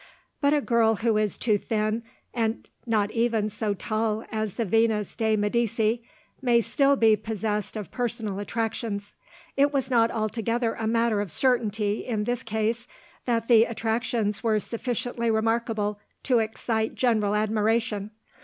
But a girl who is too thin, and not even so tall as the Venus de' Medici, may still be possessed of personal attractions. It was not altogether a matter of certainty, in this case, that the attractions were sufficiently remarkable to excite general admiration.